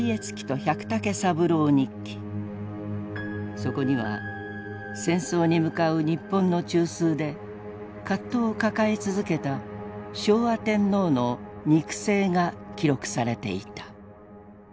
そこには戦争に向かう日本の中枢で葛藤を抱え続けた昭和天皇の肉声が記録されていた。